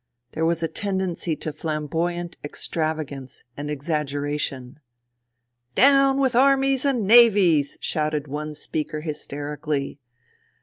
There was a tendency to flamboyant extravagance and exaggera tion. " Down with Armies and Navies !" shouted one speaker hysterically.